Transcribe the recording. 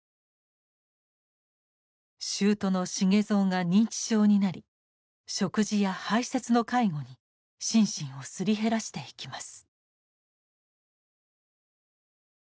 舅の茂造が認知症になり食事や排せつの介護に心身をすり減らしていきます。